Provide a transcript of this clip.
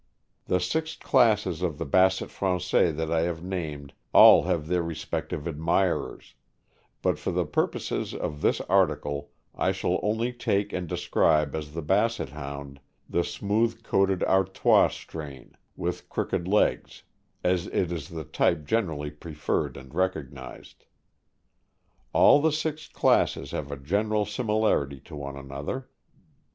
14 (209) 210 THE AMERICAN BOOK OF THE DOG. The six classes of the Basset Francais that I have named all have their respective admirers; but for the pur poses of this article I shall only take and describe as the Basset Hound the smooth coated Artois strain, with crooked legs, as it is the type generally preferred and recognized. All the six classes have a general similarity to one another.